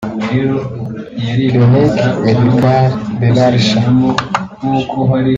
Clinique Medicale de l’Arche